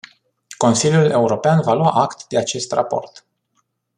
Consiliul european va lua act de acest raport.